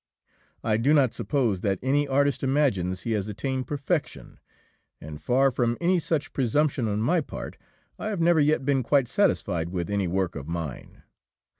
I do not suppose that any artist imagines he has attained perfection, and, far from any such presumption on my part, I have never yet been quite satisfied with any work of mine.